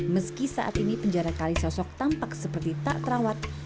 meski saat ini penjara kalisosok tampak seperti tak terawat